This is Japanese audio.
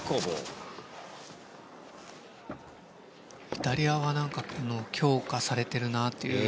イタリアは強化されてるなという。